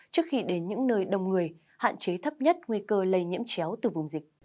trước khi đến những nơi đông người hạn chế thấp nhất nguy cơ lây nhiễm chéo từ vùng dịch